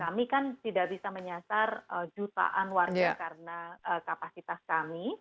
kami kan tidak bisa menyasar jutaan warga karena kapasitas kami